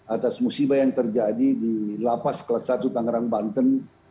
atas musibah yang terjadi di lapas kelas satu tangerang banten